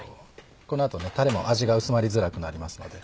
この後たれも味が薄まりづらくなりますので。